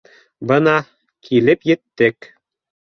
Бына, килеп еттек